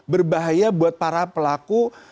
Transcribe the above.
berbahaya buat para pelaku